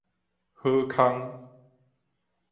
好空